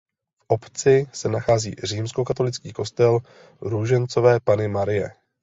V obci se nachází římskokatolický kostel Růžencové Panny Marie.